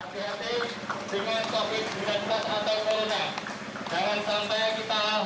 hati hati dengan covid sembilan belas atau corona